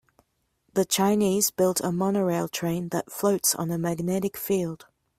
The Chinese built a monorail train that floats on a magnetic field.